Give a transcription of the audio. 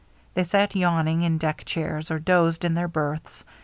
They sat yawning in deck chairs, or dozed in their berths.